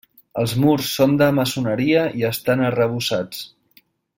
Els murs són de maçoneria i estan arrebossats.